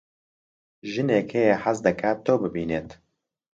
ژنێک هەیە حەز دەکات تۆ ببینێت.